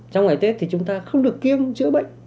trong ngày tết thì chúng ta không được kiêm chữa bệnh